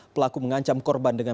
pelaku mengancam korban dengan